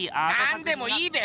なんでもいいべ！